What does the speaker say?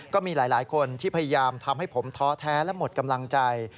ก็มีหลายคนที่พยายามทำให้ผมท้อแท้และหมดกำลังใจ